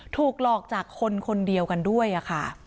ถูกหลอกจากคนคนเดียวกันด้วยค่ะ